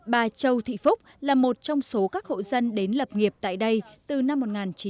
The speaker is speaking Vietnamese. bà châu thị phúc là một trong số các hộ dân đến lập nghiệp tại đây từ năm một nghìn chín trăm bảy mươi